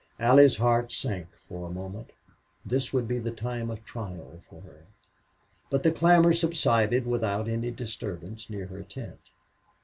Allie's heart sank for a moment; this would be the time of trial for her. But the clamor subsided without any disturbance near her tent.